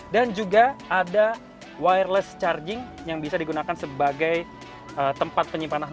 dan juga ada wireless charging yang bisa digunakan sebagai tempat penyimpanan napas